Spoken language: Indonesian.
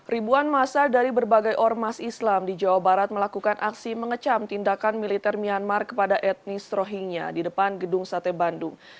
ribuan masa dari berbagai ormas islam di jawa barat melakukan aksi mengecam tindakan militer myanmar kepada etnis rohingya di depan gedung sate bandung